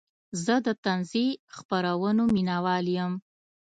زه د طنزي خپرونو مینهوال یم.